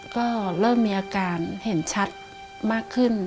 ก็เริ่มมีอาการเห็นชัดมากขึ้น